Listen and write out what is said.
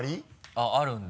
あっあるんだ。